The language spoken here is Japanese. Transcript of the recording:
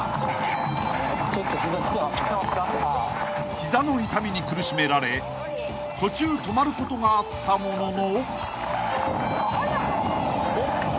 ［膝の痛みに苦しめられ途中止まることがあったものの］